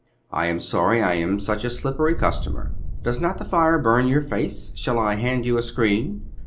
"I am sorry I am such a slippery customer. Does not the fire burn your face? Shall I hand you a screen?"